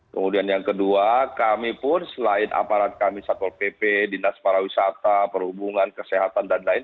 kemudian yang kedua kami pun selain aparat kami saat pol pp dinas parawisata perhubungan kesehatan dan lain lain